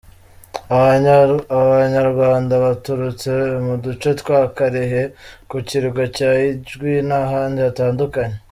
Aba Banyarwanda baturutse mu duce twa Karehe, ku kirwa cya Idjwi n’ahandi hatandukanye.